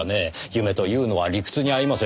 夢というのは理屈に合いません。